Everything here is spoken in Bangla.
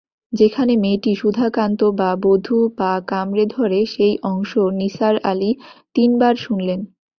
যেখানে মেয়েটি সুধাকান্তবাবধু পা কামড়ে ধরে, সেই অংশ নিসার আলি তিন বার শুনলেন।